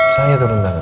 saya yang berhentangan